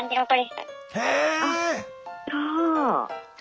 え！